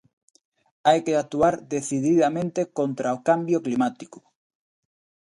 Hai que actuar decididamente contra o cambio climático.